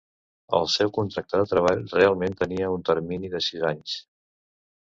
El seu contracte de treball realment tenia un termini de sis anys.